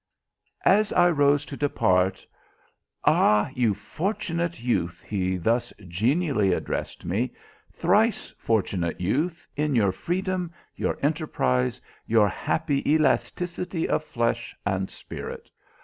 As I rose to depart: "Ah! you fortunate youth," he thus genially addressed me; "thrice fortunate youth, in your freedom, your enterprise, your happy elasticity of flesh and spirit!